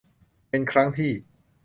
เป็นครั้งที่